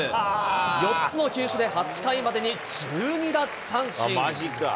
４つの球種で、８回までに１２奪三振。